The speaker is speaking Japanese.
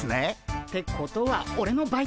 ってことはオレのバイト先も！